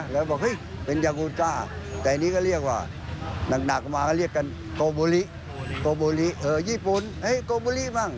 เรื่องคู่กรรม